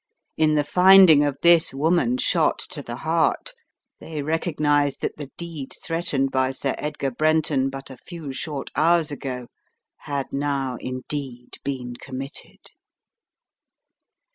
In the finding of this woman shot to the heart they recognized that the deed threatened by Sir Edgar Brenton but a few short hours ago had now indeed been committed.